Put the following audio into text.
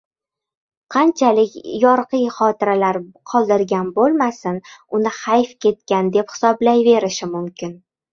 qanchalik yorqiy xotiralar qoldirgan bo‘lmasin, uni hayf ketgan, deb hisoblayverishi mumkin.